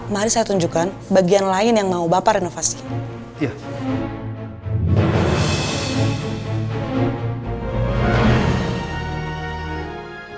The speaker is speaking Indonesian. mari saya tunjukkan bagian lain yang mau bapak renovasi